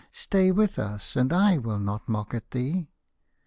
Stay with us, and I will not mock at thee."